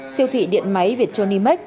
siêu thị điện máy việt trô